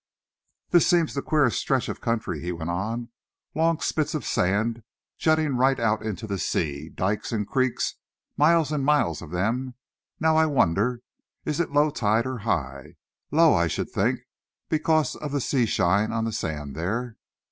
"This seems the queerest stretch of country," he went on; "long spits of sand jutting right out into the sea, dikes and creeks miles and miles of them. Now, I wonder, is it low tide or high? Low, I should think, because of the sea shine on the sand there."